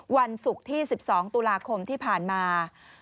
วันศุกร์ที่๑๒ตุลาคมที่ผ่านมา